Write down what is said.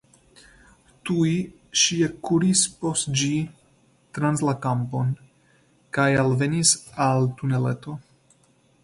Tuj ŝi ekkuris post ĝi trans la kampon, kaj alvenis al tuneleto.